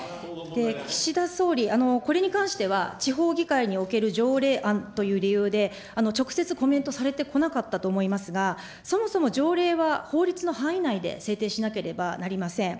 岸田総理、これに関しては、地方議会における条例案という理由で、直接コメントされてこなかったと思いますが、そもそも条例は法律の範囲内で制定しなければなりません。